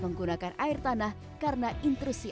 menggunakan air tanah karena intrusi